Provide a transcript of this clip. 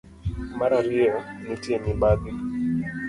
Mar ariyo, nitie mibadhi.